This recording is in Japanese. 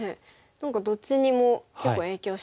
何かどっちにも結構影響してますね。